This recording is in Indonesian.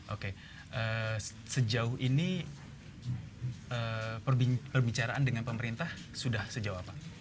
oke sejauh ini perbicaraan dengan pemerintah sudah sejauh apa